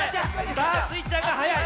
さあスイちゃんがはやい。